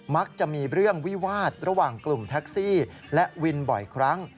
มักจะมีเรื่องวิวาสระหว่างกลุ่มแท็กซี่และวินบ่อยครั้ง